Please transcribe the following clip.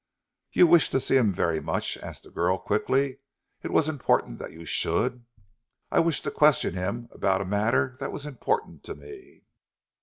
"You wished to see him very much?" asked the girl quickly. "It was important that you should?" "I wished to question him upon a matter that was important to me."